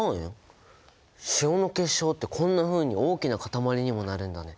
塩の結晶ってこんなふうに大きなかたまりにもなるんだね。